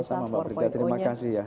sama sama mbak brigita terima kasih ya